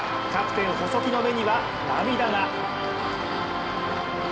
キャプテン・細木の目には涙が。